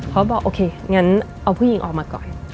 บอกโอเคงั้นเอาผู้หญิงออกมาก่อน